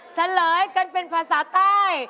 เฉลยกันเป็นภาษาใต้